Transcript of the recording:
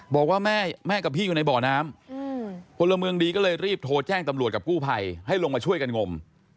บอกว่าแม่กับพี่อยู่ในบ่อน้ำพลเมืองดีก็เลยรีบโทรแจ้งตำรวจกับกู้ภัยให้ลงมาช่วยกันงม